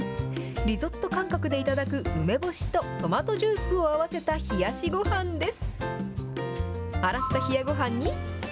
リゾット感覚で頂く梅干しとトマトジュースを合わせた冷やしごはんです。